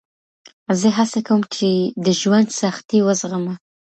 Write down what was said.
زه هڅه کوم چې د ژوند سختۍ وزغمه.